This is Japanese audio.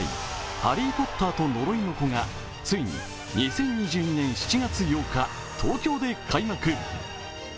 「ハリー・ポッターと呪いの子」がついに２０２２年７月８日、東京で開幕。